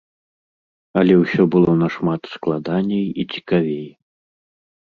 Але ўсё было нашмат складаней і цікавей.